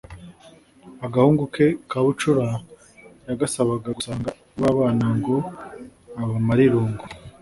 agahungu ke kabucura yagasabaga gusanga babana ngo abamare irungu